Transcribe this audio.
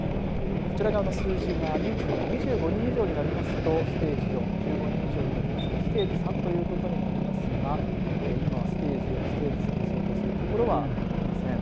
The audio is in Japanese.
こちら側の数字が人数が２５人以上になりますとステージ４、１５人以上になりますとステージ３ということになりますが今は、ステージ４、ステージ３に相当する所はありません。